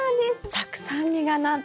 たくさん実がなって。